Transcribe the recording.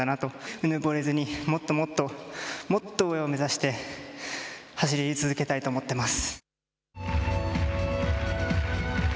うぬぼれずにもっともっともっと上を目指して走り続けたいと思ってます。